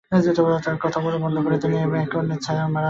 তাঁরা কথা বলা বন্ধ করে দেন এবং একে অন্যের ছায়াও মাড়ান না।